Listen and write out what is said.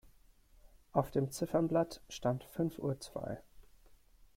Auf dem Ziffernblatt stand fünf Uhr zwei.